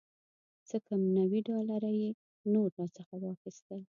څه کم نوي ډالره یې نور راڅخه واخیستل.